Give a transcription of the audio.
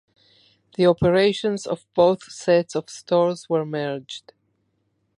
The operations of both sets of stores were merged.